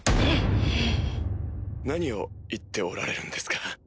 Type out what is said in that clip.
何を言っておられるんですか？